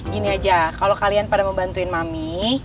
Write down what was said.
gini aja kalau kalian pada mau bantuin mami